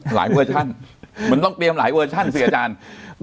เวอร์ชั่นมันต้องเตรียมหลายเวอร์ชั่นสิอาจารย์